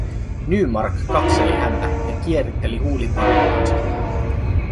Nymark katseli häntä ja kieritteli huulipartaansa.